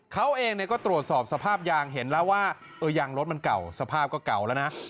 เขาเองก็ตรวจสอบสภาพยางเห็นแล้วว่ายางรถมันเก่าสภาพก็เก่าแล้วนะ